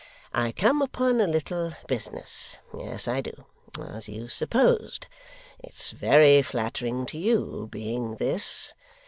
I come upon a little business yes, I do as you supposed. It's very flattering to you; being this.